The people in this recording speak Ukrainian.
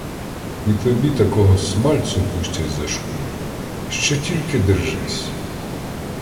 І тобі такого смальцю пустять за шкуру, що тільки держись.